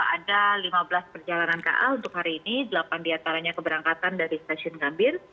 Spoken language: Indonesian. ada lima belas perjalanan ka untuk hari ini delapan diantaranya keberangkatan dari stasiun gambir